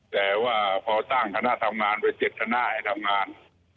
แต่ว่าพอตั้งธนาคมทำงานไป๗ธนาคมให้ทำงาน